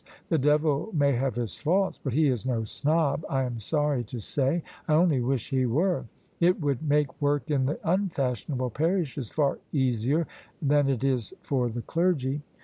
The devil may have his faults, but he is no snob, I am sorry to say. I only wish he were! It would make work in the unfashionable parishes far easier than it is for the clergy."